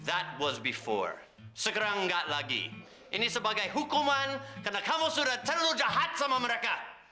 itu dulu sekarang enggak lagi ini sebagai hukuman karena kamu sudah terlalu jahat sama mereka